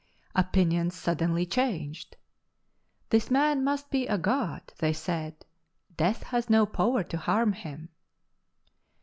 Opinions suddenly changed; this man must be a god, they said, death had no power to harm him.